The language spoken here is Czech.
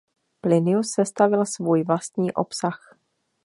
Plinius sestavil svůj vlastní obsah.